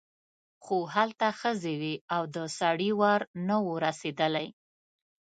خو هلته ښځې وې او د سړي وار نه و رسېدلی.